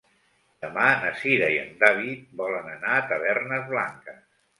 Demà na Cira i en David volen anar a Tavernes Blanques.